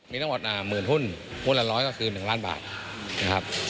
มีทั้งหมดหมื่นหุ้นหุ้นละร้อยก็คือ๑ล้านบาทนะครับ